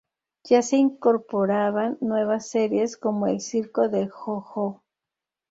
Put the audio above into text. Ya se incorporaban nuevas series, como El circo de JoJo.